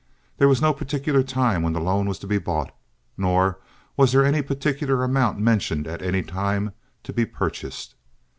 There was no particular time when the loan was to be bought, nor was there any particular amount mentioned at any time to be purchased.